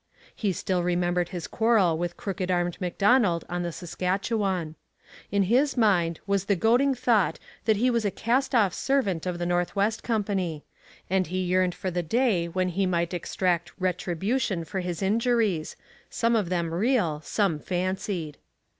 He still remembered his quarrel with Crooked armed Macdonald on the Saskatchewan. In his mind was the goading thought that he was a cast off servant of the North West Company; and he yearned for the day when he might exact retribution for his injuries, some of them real, some fancied.